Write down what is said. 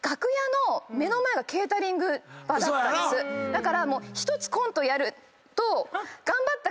だから。